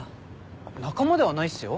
仲間ではないっすよ。